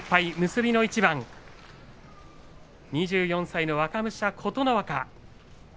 結びの一番２４歳の若武者琴ノ若。